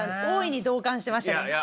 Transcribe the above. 大いに同感してましたね。